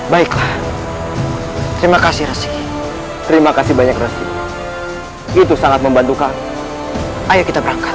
baiklah terima kasih rezeki terima kasih banyak rezeki itu sangat membantu kami ayo kita berangkat